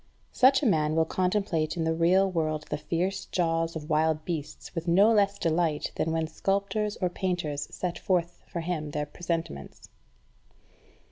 Such a man will contemplate in the real world the fierce jaws of wild beasts with no less delight than when sculptors or painters set forth for him their presentments.